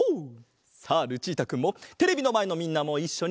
さあルチータくんもテレビのまえのみんなもいっしょに！